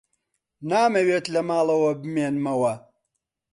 نامەوێت لە ماڵەوە بمێنمەوە.